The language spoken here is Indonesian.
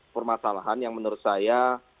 permasalahan yang menurut saya